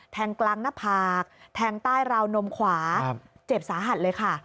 กลางหน้าผากแทงใต้ราวนมขวาเจ็บสาหัสเลยค่ะ